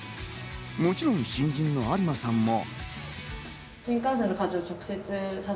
もちろん新人の有馬さんも。